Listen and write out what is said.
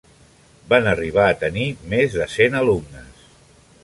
Van arribar a tenir més de cent alumnes.